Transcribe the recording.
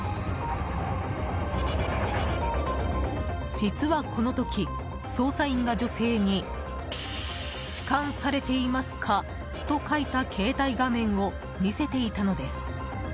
実はこの時、捜査員が女性に痴漢されていますか？と書いた携帯画面を見せていたのです。